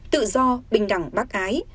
tự do bình đẳng bác ái